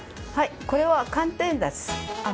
これは寒天です。